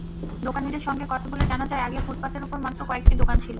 দোকানিদের সঙ্গে কথা বলে জানা যায়, আগে ফুটপাতের ওপর মাত্র কয়েকটি দোকান ছিল।